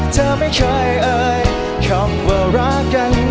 เธอไม่เคยเอ่ยคำว่ารักกัน